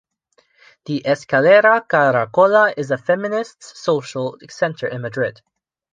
The Eskalera Karakola is a feminist social center in Madrid.